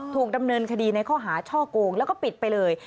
ถูกดำเนินคดีในข้อหาช่อโกงแล้วก็ปิดไปเลย